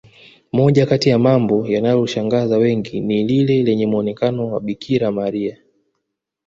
moja Kati ya mambo yanaloshangaza wengi ni lile lenye muonekano wa bikira maria